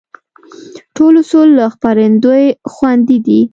ټول اصول له خپرندوى خوندي دي.